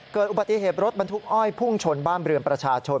เกิดอุบัติเหตุรถบรรทุกอ้อยพุ่งชนบ้านเรือนประชาชน